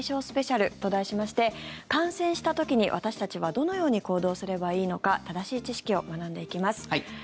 スペシャルと題しまして感染した時に私たちはどのように行動すればいいのか正しい知識を学んでいきます。